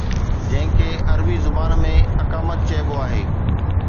جنهن کي عربي زبان ۾ اقامت چئبو آهي.